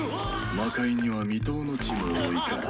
魔界には未踏の地も多いから。